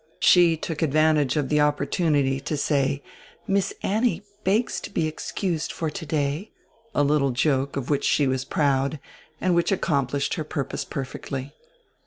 She took advantage of die opportunity to say: "Miss Annie begs to be excused for today," — a little joke, of which she was proud, and which accomplished her purpose perfectly.